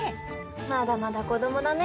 まだまだ子どもだね